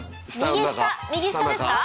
右下右下ですか？